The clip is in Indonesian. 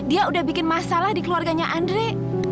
dia udah bikin masalah di keluarganya andre